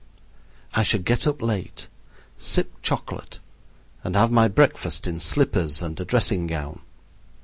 I should get up late, sip chocolate, and have my breakfast in slippers and a dressing gown.